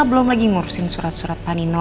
belum lagi ngurusin surat surat pak nino